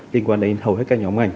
liên quan đến hầu hết các nhóm ngành